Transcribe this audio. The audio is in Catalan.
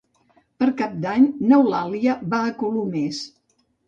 Per Cap d'Any n'Eulàlia va a Colomers.